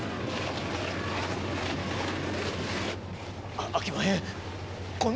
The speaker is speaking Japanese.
あっあきまへん